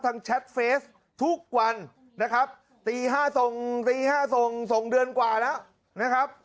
ทางแชทเฟซทุกวันนะครับตี๕ทรง๒เดือนกว่านะนะครับ